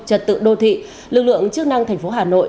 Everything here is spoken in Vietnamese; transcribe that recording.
trật tự đô thị lực lượng chức năng thành phố hà nội